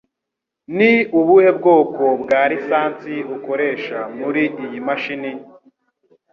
Ni ubuhe bwoko bwa lisansi ukoresha muri iyi mashini?